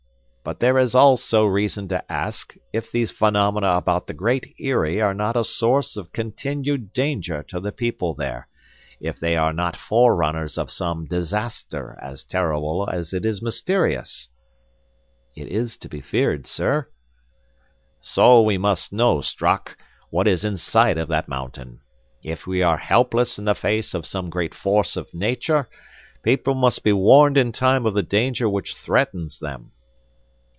But there is also reason to ask, if these phenomena about the Great Eyrie are not a source of continued danger to the people there, if they are not forerunners of some disaster as terrible as it is mysterious." "It is to be feared, sir." "So we must know, Strock, what is inside of that mountain. If we are helpless in the face of some great force of nature, people must be warned in time of the danger which threatens them."